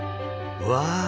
うわ！